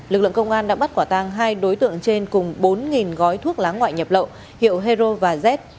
lực lượng công an đã bắt quả tang hai đối tượng trên cùng bốn gói thuốc lá ngoại nhập lậu hiệu hero và z